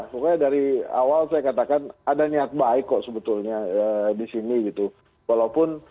pokoknya dari awal saya katakan ada niat baik kok sebetulnya di sini gitu